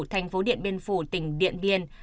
thành phố điện biên phủ tỉnh điện biên